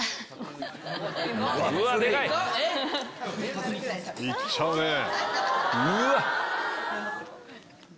でかい！いっちゃうねぇ！